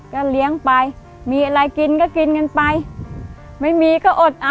ก็เลี้ยงไปมีอะไรกินก็กินกันไปไม่มีก็อดเอา